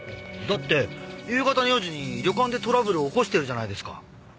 だって夕方の４時に旅館でトラブルを起こしてるじゃないですか。